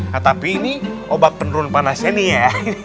nah tapi ini obat penurun panasnya nih ya